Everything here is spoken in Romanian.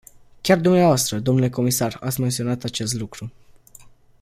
Chiar dvs., dle comisar, ați menționat acest lucru.